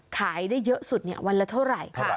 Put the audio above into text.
ขายได้เยอะสุดเนี่ยวันละเท่าไหร่ค่ะ